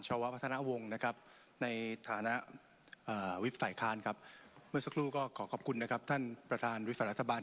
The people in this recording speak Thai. เชิญครับ